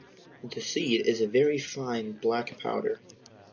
The seed is a very fine, black powder.